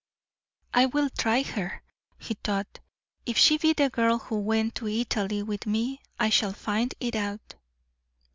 "I will try her," he thought. "If she be the girl who went to Italy with me, I shall find it out."